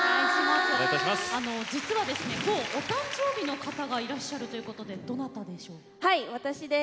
実はですね今日お誕生日の方がいらっしゃるということ私です。